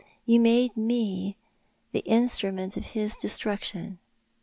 You made me the instrument of his destruction.